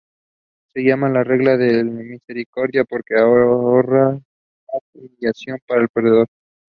This arrangement was approved by the rulers of all the neighbouring territories.